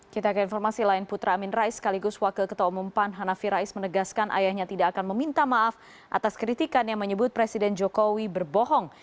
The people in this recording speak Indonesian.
kita ke informasi lain putra amin rais sekaligus wakil ketua umum pan hanafi rais menegaskan ayahnya tidak akan meminta maaf atas kritikan yang menyebut presiden jokowi berbohong